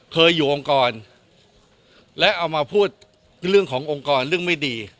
เคยอยู่องค์กรและเอามาพูดเรื่องขององค์กรเรื่องไม่ดี